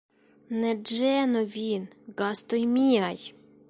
Ne ĝenu vin, gastoj miaj!